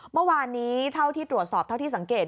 เมื่อวานนี้เท่าที่ตรวจสอบเท่าที่สังเกต